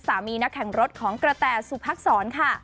สามีนักแข่งรถของกระแต่สุพักษร